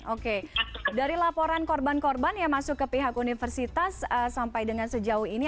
oke dari laporan korban korban yang masuk ke pihak universitas sampai dengan sejauh ini